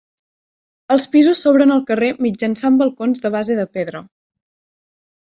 Els pisos s'obren al carrer mitjançant balcons de base de pedra.